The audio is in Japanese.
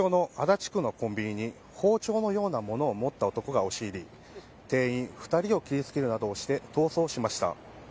東京の足立区のコンビニに包丁のようなものを持った男が押し入り店員２人を切りつけるなどして逃走しました。